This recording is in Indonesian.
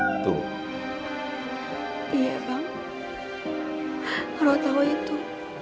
iya bang kalau tahu itu